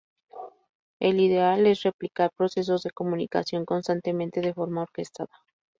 El ideal es replicar procesos de comunicación constantemente de forma orquestada.